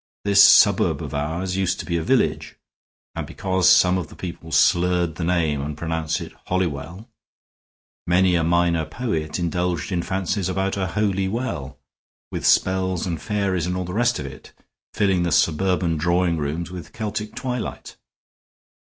This suburb of ours used to be a village, and because some of the people slurred the name and pronounced it Holliwell, many a minor poet indulged in fancies about a Holy Well, with spells and fairies and all the rest of it, filling the suburban drawing rooms with the Celtic twilight.